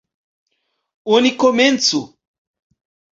Oni komencu!